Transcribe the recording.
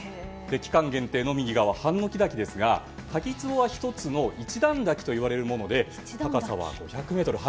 期間限定の右側、ハンノキ滝は滝壺は１つの１段滝といわれるもので高さは５００ｍ。